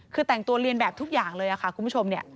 คือแต่งตัวเรียนแบบทุกอย่างเลยค่ะคุณผู้ชมเนี่ย